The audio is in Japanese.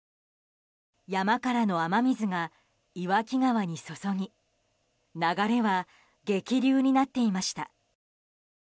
山からの雨水が岩木川に注ぎ流れは激流になっていました。